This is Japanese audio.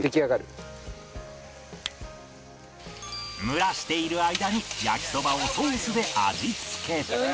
蒸らしている間に焼きそばをソースで味付け